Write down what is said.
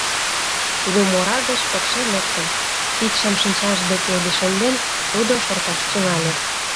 Лум ора гыч пыкше лектым, — кидшым шинчаж деке лишемден, тудо шорташ тӱҥале.